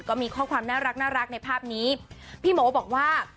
ก็มีข้อความน่ารักในภาพนี้พี่โมบอกว่า